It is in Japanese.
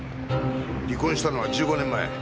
離婚したのは１５年前。